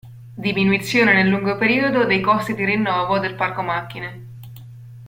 Diminuzione nel lungo periodo dei costi di rinnovo del parco macchine.